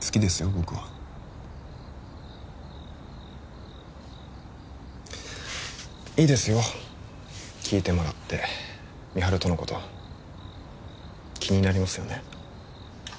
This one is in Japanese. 僕はいいですよ聞いてもらって美晴とのこと気になりますよね？